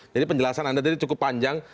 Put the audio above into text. jadi penjelasan anda tadi cukup panjang